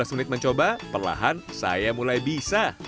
lima belas menit mencoba perlahan saya mulai bisa